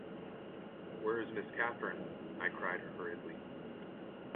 ‘Where is Miss Catherine?’ I cried hurriedly.